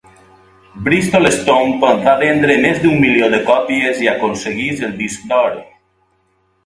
"Bristol Stomp" va vendre més d'un milió de còpies i aconseguís el disc d'or.